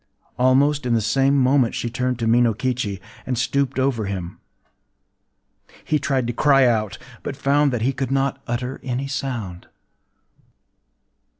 Almost in the same moment she turned to Minokichi, and stooped over him. He tried to cry out, but found that he could not utter any sound.